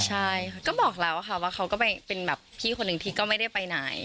ใช่ค่ะก็บอกแล้วค่ะว่าเขาก็ไปเป็นแบบพี่คนหนึ่งที่ก็ไม่ได้ไปไหน